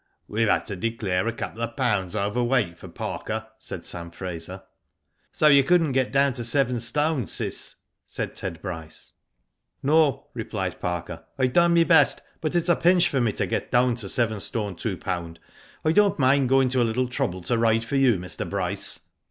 "We've had to declare a couple of pounds over weight for Parker," said Sam Fraser. " So you couldn't get down to yst., Cis," said Ted Bryce. " No," replied Parker. " I've done my best, but it is a pinch for me to get down to yst. 2lb. I don't mind going to a little trouble to ride for you, Mr. Bryce."